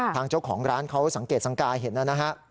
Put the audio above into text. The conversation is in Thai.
ทางเจ้าของร้านเขาสังเกตสังกายเห็นนะฮะ